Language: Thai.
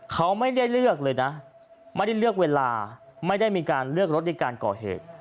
เขาไม่ได้เลือกเลยนะไม่ได้เลือกเวลาไม่ได้มีการเลือกรถในการก่อเหตุ